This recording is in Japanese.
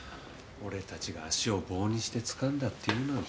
俺たちが足を棒にしてつかんだっていうのに。